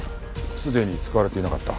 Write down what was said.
すでに使われていなかった。